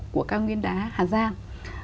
của cao nguyên đá hà giang